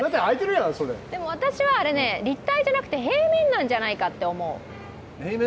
でも私はあれ、立体じゃなくて平面なんじゃないかと思う。